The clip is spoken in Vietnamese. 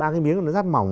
ba cái miếng mà nó rát mỏng